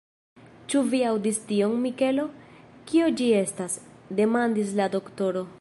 Ĉu vi aŭdis tion, Mikelo? Kio ĝi estas? demandis la doktoro.